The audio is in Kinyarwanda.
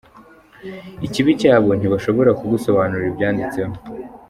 ikibi cyabo ntibashobora kugusobanurira ibyanditseho.